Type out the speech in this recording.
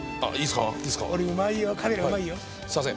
すいません。